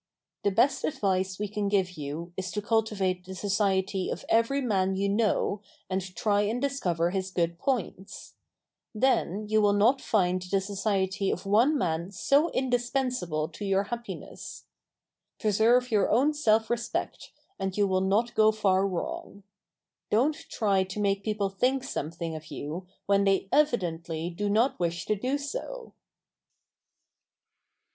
The best advice we can give you is to cultivate the society of every man you know and try and discover his good points. Then you will not find the society of one man so indispensable to your happiness. Preserve your own self respect and you will not go far wrong. Don't try to make people think something of you when they evidently do not wish to do so.